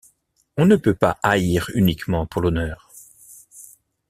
On ne peut pas haïr uniquement pour l’honneur.